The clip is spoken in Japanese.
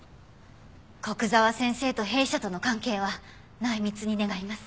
古久沢先生と弊社との関係は内密に願います。